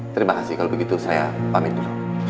terima kasih kalau begitu saya pamit dulu